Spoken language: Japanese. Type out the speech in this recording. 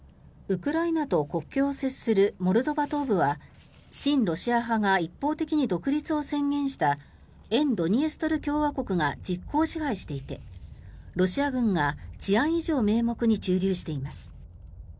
ウクライナと国境を接するモルドバ東部は親ロシア派が一方的に独立を宣言した沿ドニエストル共和国が実効支配していてロシア軍が治安維持を名目に駐留しています。